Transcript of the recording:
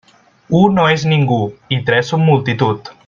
U no és ningú i tres són multitud.